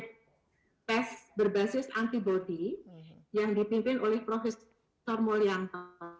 dan kami juga menggunakan tes berbasis antibody yang dipimpin oleh prof mulyangta